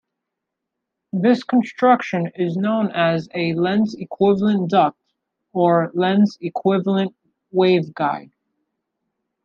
This construction is known as a "lens equivalent duct" or "lens equivalent waveguide".